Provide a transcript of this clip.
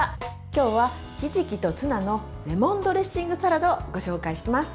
今日はひじきとツナのレモンドレッシングサラダをご紹介します。